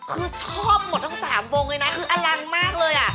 คือชอบหมดทั้ง๓วงเลยนะคืออลังมากเลยอ่ะ